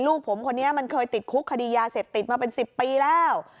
ลูกผมคนนี้มันเคยติดคุกคดียาเสพติดมาเป็น๑๐ปีแล้ว